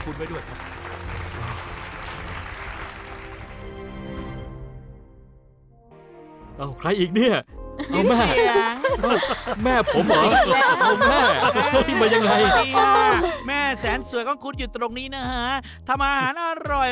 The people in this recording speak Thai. ผมรู้สึกว่าเป็นสิ่งที่สนุกที่สุดในการทำอาหารเลย